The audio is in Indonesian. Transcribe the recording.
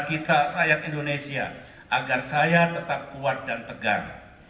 kita rakyat indonesia agar saya tetap kuat dan tegar